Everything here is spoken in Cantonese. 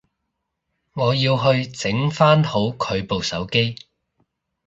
我要去整返好佢部手機